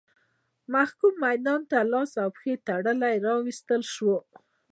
محکوم به میدان ته لاس او پښې تړلی راوستل شو.